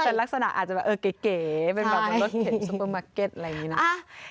แต่ลักษณะอาจจะแบบเก๋เป็นแบบรถเข็นซูเปอร์มาร์เก็ตอะไรอย่างนี้นะ